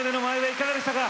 いかがでしたか？